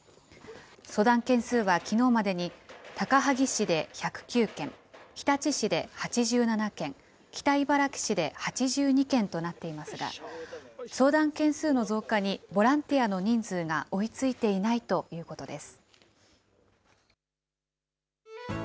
相談件数はきのうまでに、高萩市で１０９件、日立市で８７件、北茨城市で８２件となっていますが、相談件数の増加にボランティアの人数が追いついていないということです。